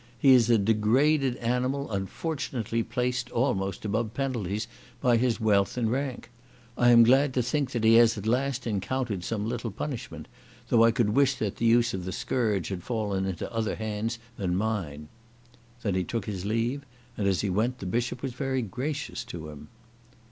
He is a degraded animal unfortunately placed almost above penalties by his wealth and rank. I am glad to think that he has at last encountered some little punishment, though I could wish that the use of the scourge had fallen into other hands than mine." Then he took his leave, and as he went the Bishop was very gracious to him.